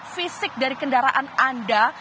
fisik dari kendaraan anda